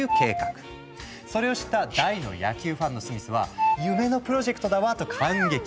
それを知った大の野球ファンのスミスは「夢のプロジェクトだわ！」と感激。